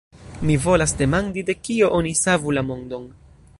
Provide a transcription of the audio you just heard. Mi volas demandi, de kio oni savu la mondon.